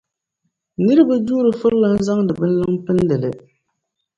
Nira bi juuri firila n-zaŋdi bin liŋa m-pindi li.